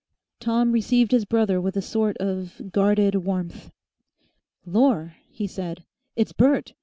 Tom received his brother with a sort of guarded warmth. "Lor!" he said, "it's Bert.